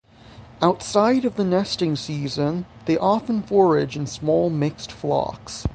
Outside of the nesting season they often forage in small mixed flocks.